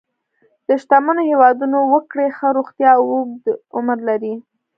د شتمنو هېوادونو وګړي ښه روغتیا او اوږد عمر لري.